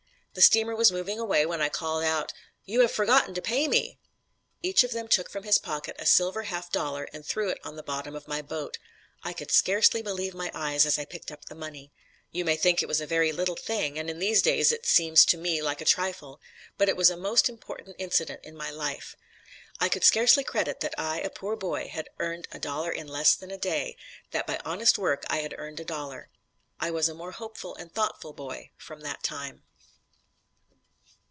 The steamer was moving away when I called out: "'You have forgotten to pay me.' "Each of them took from his pocket a silver half dollar and threw it on the bottom of my boat. I could scarcely believe my eyes as I picked up the money. You may think it was a very little thing, and in these days it seems to me like a trifle, but it was a most important incident in my life. I could scarcely credit that I, a poor boy, had earned a dollar in less than a day that by honest work I had earned a dollar. I was a more hopeful and thoughtful boy from that time."